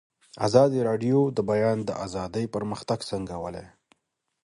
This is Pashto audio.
ازادي راډیو د د بیان آزادي پرمختګ سنجولی.